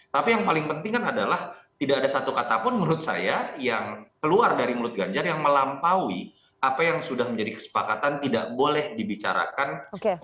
tapi yang paling penting kan adalah tidak ada satu kata pun menurut saya yang keluar dari mulut ganjar yang melampaui apa yang sudah menjadi kesepakatan tidak boleh dibicarakan